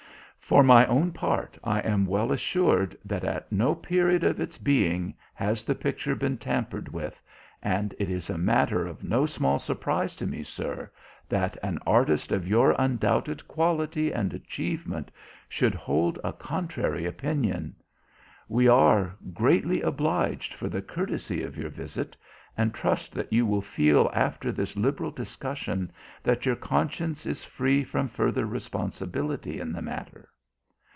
For my own part, I am well assured that at no period of its being has the picture been tampered with, and it is a matter of no small surprise to me, sir, that an artist of your undoubted quality and achievement should hold a contrary opinion. We are, greatly obliged for the courtesy of your visit and trust that you will feel after this liberal discussion that your conscience is free from further responsibility in the matter.